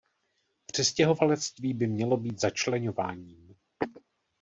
Přistěhovalectví by mělo být začleňováním.